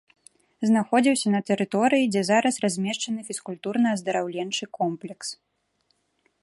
Знаходзіўся на тэрыторыі, дзе зараз размешчаны фізкультурна-аздараўленчы комплекс.